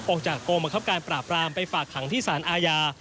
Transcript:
ออกจากกองบังคับการปราบรามไปฝากขังที่สารอาญา